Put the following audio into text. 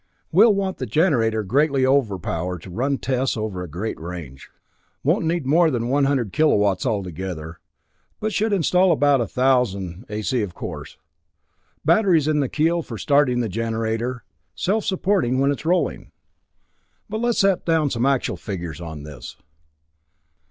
"We'll want the generator greatly over power to run tests over a greater range. Won't need more than one hundred kilowatts altogether, but should install about a thousand A.C., of course. Batteries in the keel for starting the generator.... Self supporting when it's rolling.... "But let's set down some actual figures on this."